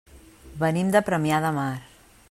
Venim de Premià de Mar.